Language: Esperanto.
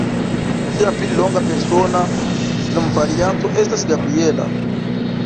Ŝia pli longa persona nomvarianto estas Gabriella.